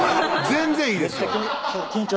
全然いいです